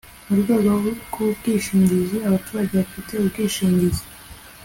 mu rwego rw ubwishingizi abaturage bafite ubwishingizi